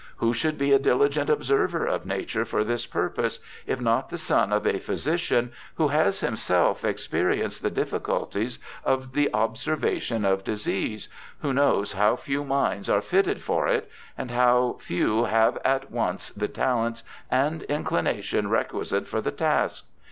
Who should be a diligent observer of nature for this purpose, if not the son of a physician, who has himself expe rienced the difficulties of the observation of disease, who knows how few minds are fitted for it, and how few have at once the talents and inclination requisite for the task?